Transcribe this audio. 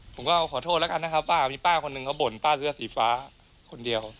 ผมก็ขอโทษแล้วกันนะครับว่ามีป้าคนหนึ่งเขาบ่นป้าเสื้อสีฟ้าคนเดียว